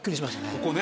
ここね。